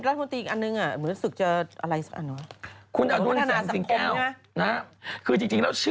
กมมาจากกันที่กรมตำรวจ